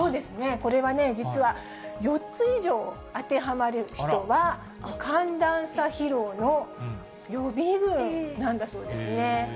これは実は、４つ以上当てはまる人は、寒暖差疲労の予備軍なんだそうですね。